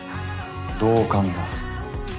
同感だ。